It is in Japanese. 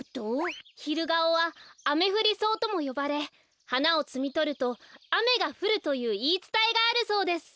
ヒルガオはアメフリソウともよばれはなをつみとるとあめがふるといういいつたえがあるそうです。